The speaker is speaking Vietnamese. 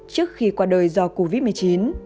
trước khi qua đời do covid một mươi chín